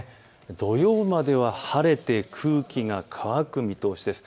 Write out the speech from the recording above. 土曜までは晴れて空気が乾く見通しです。